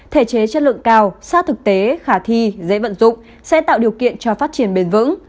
thể chế chất lượng cao sát thực tế khả thi dễ vận dụng sẽ tạo điều kiện cho phát triển bền vững